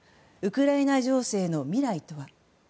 ウクライナ情勢の未来とは。